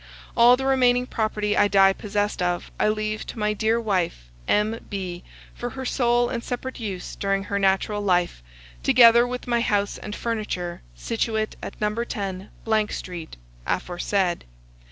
All the remaining property I die possessed of I leave to my dear wife M. B., for her sole and separate use during her natural life, together with my house and furniture, situate at No. 10, Street, aforesaid.